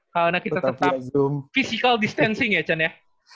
karena kita tetap physical distancing ya can ya